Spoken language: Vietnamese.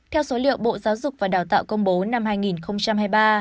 theo số liệu bộ giáo dục và đào tạo công bố năm hai nghìn hai mươi ba